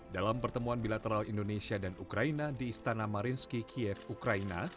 dalam pertemuan bilateral indonesia dan ukraina di istana marinski kiev ukraina